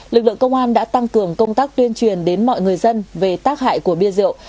lực lượng công an đã tăng cường công tác tuyên truyền đến mọi người dân về tác hại của bia rượu